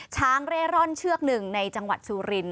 เร่ร่อนเชือกหนึ่งในจังหวัดสุริน